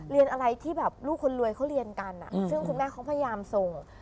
เรียนอะไรที่แบบลูกคนรวยเขาเรียนกันซึ่งคุณแม่เขาพยายามส่ง